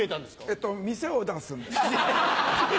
えと店を出すんです。